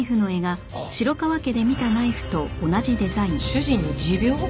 主人の持病？